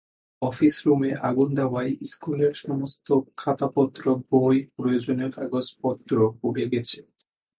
Office রুমে আগুন দেওয়ায় স্কুলের সমস্ত খাতাপত্র, বই, প্রয়োজনীয় কাগজপত্র পুড়ে গেছে।